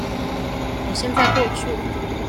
我現在過去